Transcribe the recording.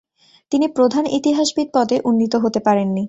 তিনি প্রধান ইতিহাসবিদ পদে উন্নীত হতে পারেননি।